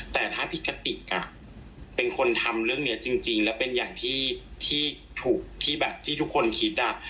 แต่ถ้าพี่กติกเป็นคนทำเรื่องนี้จริงแล้วเป็นอย่างที่ถูกที่แบบที่ทุกคนคิด